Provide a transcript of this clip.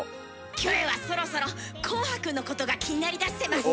キョエはそろそろ「紅白」のことが気になりだしてます。